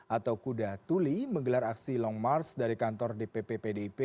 atau kuda tuli menggelar aksi long march dari kantor dpp pdip